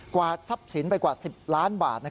วาดทรัพย์สินไปกว่า๑๐ล้านบาท